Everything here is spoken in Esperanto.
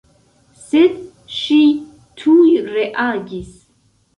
Sed ŝi tuj reagis.